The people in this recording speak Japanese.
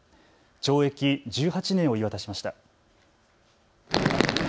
懲役１８年を言い渡しました。